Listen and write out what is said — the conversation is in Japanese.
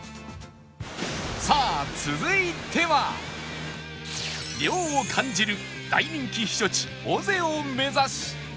さあ涼を感じる大人気避暑地尾瀬を目指し